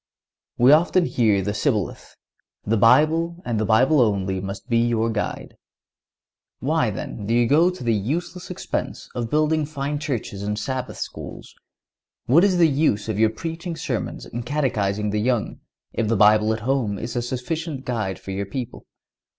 We often hear the shibboleth: "The Bible, and the Bible only, must be your guide." Why, then, do you go to the useless expense of building fine churches and Sabbath schools? What is the use of your preaching sermons and catechizing the young, if the Bible at home is a sufficient guide for your people?